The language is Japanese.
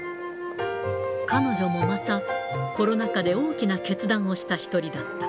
彼女もまた、コロナ禍で大きな決断をした一人だった。